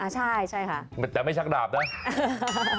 จะกินฟรีแต่ไม่ชักดาบนะอ๋อใช่